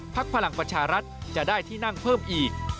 พลังประชารัฐจะได้ที่นั่งเพิ่มอีก